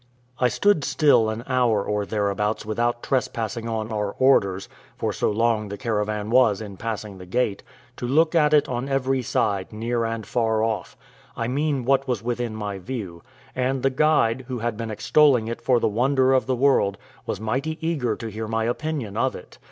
I stood still an hour or thereabouts without trespassing on our orders (for so long the caravan was in passing the gate), to look at it on every side, near and far off; I mean what was within my view: and the guide, who had been extolling it for the wonder of the world, was mighty eager to hear my opinion of it.